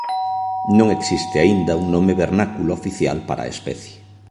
Non existe aínda un nome vernáculo oficial para a especie.